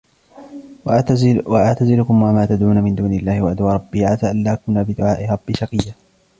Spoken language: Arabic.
وَأَعْتَزِلُكُمْ وَمَا تَدْعُونَ مِنْ دُونِ اللَّهِ وَأَدْعُو رَبِّي عَسَى أَلَّا أَكُونَ بِدُعَاءِ رَبِّي شَقِيًّا